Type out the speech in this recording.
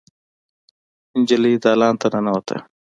نجلۍ دالان ته ننوته.